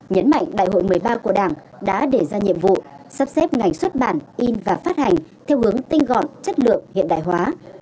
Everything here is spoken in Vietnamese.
nhấn mạnh đại hội một mươi ba của đảng đã đề ra nhiệm vụ sắp xếp ngành xuất bản in và phát hành theo hướng tinh gọn chất lượng hiện đại hóa